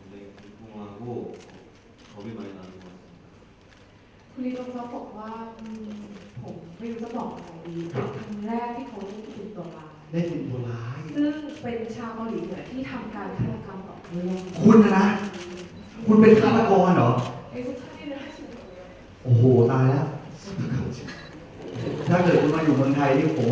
แล้วก็แบบประโยชน์ทั้งคนด้วยโอ้โหถือว่าเป็นการพลิกคาแทรกเตอร์ทั้งยิ่งใหญ่เลยนะครับ